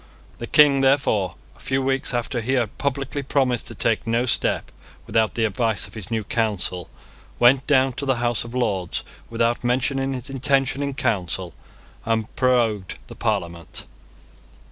The King, therefore, a few weeks after he had publicly promised to take no step without the advice of his new Council, went down to the House of Lords without mentioning his intention in Council, and prorogued the Parliament.